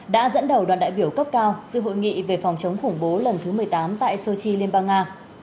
đã dẫn đầu đoàn đại biểu cấp cao dự hội nghị về phòng chống khủng bố lần thứ một mươi tám tại sochi liên bang nga